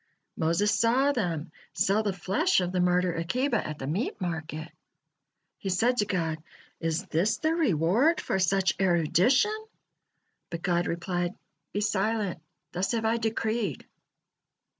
Moses saw them sell the flesh of the martyr Akiba at the meat market. He said to God: "Is this the reward for such erudition?" But God replied: "Be silent, thus have I decreed."